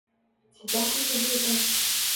Ці так усё гэта?